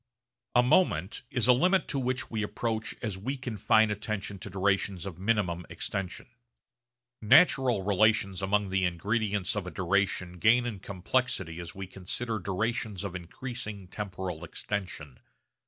A moment is a limit to which we approach as we confine attention to durations of minimum extension. Natural relations among the ingredients of a duration gain in complexity as we consider durations of increasing temporal extension.